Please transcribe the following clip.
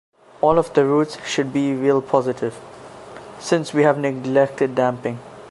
All of the roots should be real-positive, since we have neglected damping.